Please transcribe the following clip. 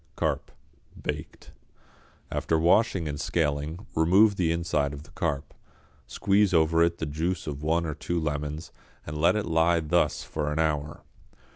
=Carp, Baked.= After washing and scaling, remove the inside of the carp, squeeze over it the juice of one or two lemons and let it lie thus for an hour.